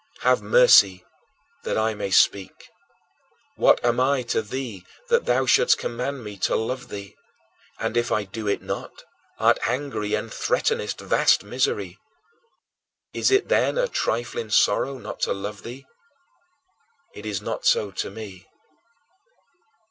Have mercy that I may speak. What am I to thee that thou shouldst command me to love thee, and if I do it not, art angry and threatenest vast misery? Is it, then, a trifling sorrow not to love thee? It is not so to me.